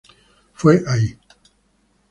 Fue ahí.